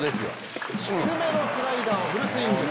低めのスライダーをフルスイング。